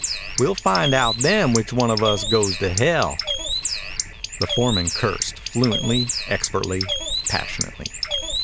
We'll find out then which one of us goes to hell." The foreman cursed, fluently, expertly, passionately.